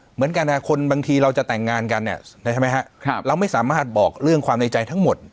เหมือนกันคนบางทีเราจะแต่งงานกันเนี่ยใช่ไหมฮะเราไม่สามารถบอกเรื่องความในใจทั้งหมด